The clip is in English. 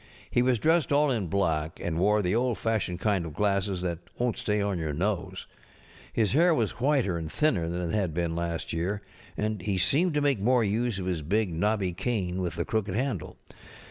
He was dressed all in black, and wore the old fashioned kind of glasses that wonŌĆÖt stay on your nose. His 54 The Trimmed Lamp i halt was whiter and thinner than it had been last year, and he seemed to make more use of his big, knobby canc with the crooked handle.